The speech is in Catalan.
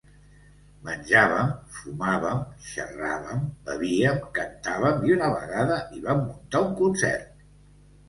Menjàvem, fumàvem, xerràvem, bevíem, cantàvem i una vegada hi vam muntar un concert.